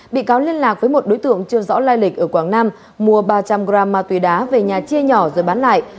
bị cáo liên lạc với một đối tượng chưa rõ lai lịch ở quảng nam mua ba trăm linh gram ma túy đá về nhà chia nhỏ rồi bán lại